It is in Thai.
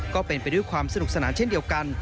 ก็เป็นไปด้วยความสนุกสนานเช่นเดียวกัน